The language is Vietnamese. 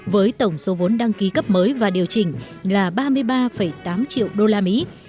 với tổng số vốn đăng ký cấp mới và điều chỉnh là ba mươi ba tám triệu đô la mỹ